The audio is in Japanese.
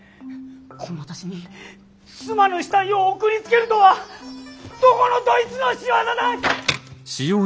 この私に妻の死体を送りつけるとはどこのどいつの仕業だ！